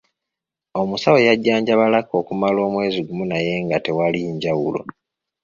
Omusawo yajjanjaba Lucky okumala omwezi gumu naye nga tewali njawulo.